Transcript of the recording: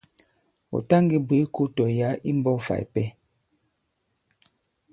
Ɔ̀ ta ngē bwě kō tɔ̀ yǎ i mbɔ̄k fà ipɛ.